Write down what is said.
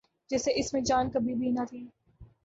جیسے اس میں جان کبھی بھی نہ تھی۔